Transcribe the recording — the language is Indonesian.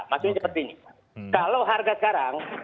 maksudnya seperti ini kalau harga sekarang